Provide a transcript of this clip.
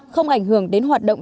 không ảnh hưởng đến hoạt động